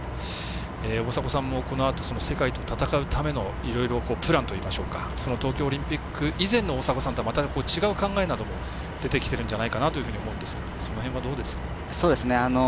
大迫さんもこのあと世界と戦うためのいろいろプランといいましょうか東京オリンピック以前の大迫さんとまた違う考えなど出てきてるんじゃないかなと思うんですがその辺はどうですか？